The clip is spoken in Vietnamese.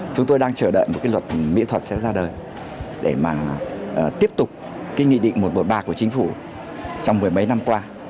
chúng tôi đang chờ đợi một cái luật nghệ thuật sẽ ra đời để mà tiếp tục cái nghị định một bộ bạc của chính phủ trong mười mấy năm qua